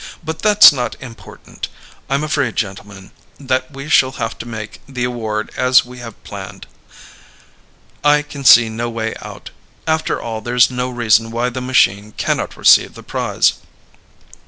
But that's not important. I'm afraid, gentlemen, that we shall have to make the award as we have planned. I can see no way out. After all, there's no reason why the machine cannot receive the prize.